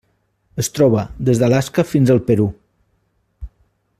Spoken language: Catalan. Es troba des d'Alaska fins al Perú.